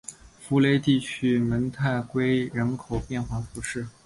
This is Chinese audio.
福雷地区蒙泰圭人口变化图示